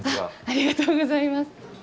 ありがとうございます。